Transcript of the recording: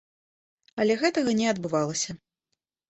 Але гэтага не адбывалася.